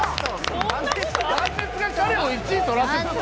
断熱が彼を１位取らせたの？